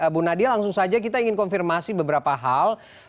bu nadia langsung saja kita ingin konfirmasi beberapa hal